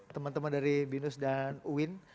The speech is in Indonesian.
teman teman dari binus dan uin